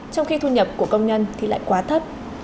trong khi thu nhập của công nhân thì lại quá thấp